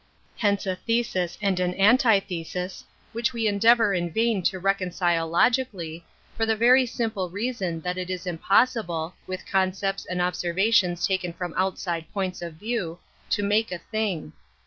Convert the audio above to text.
Hence a thesis and an antithesis which we endearor in vain to reconcile logically, for the very simple reason that it is impossible, with concepts and observations taken from outside points of view, to make a thing.